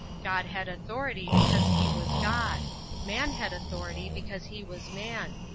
God had authority because he was God. Man had authority because he was man.